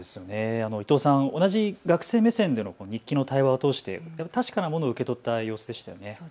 伊藤さん、同じ学生目線で日記の対話を介して確かなものを受け取った様子でしたね。